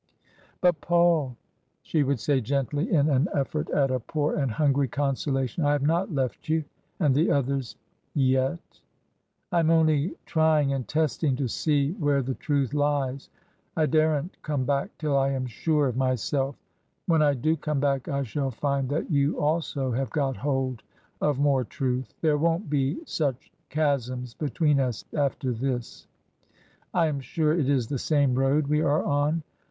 " But, Paul," she would say gently, in an effort at a poor and hungry consolation, " I have not left you and the others — yet I am only trying and testing to see where the truth lies. I daren't come back till I am sure of myself When I do come back, I shall find that you also have got hold of more truth. There won't be such chasms between us after this. I am sure it is the same road we are on.